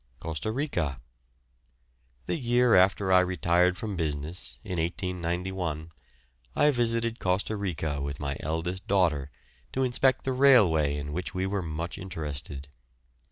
COSTA RICA. The year after I retired from business, in 1891, I visited Costa Rica with my eldest daughter, to inspect the railway in which we were much interested.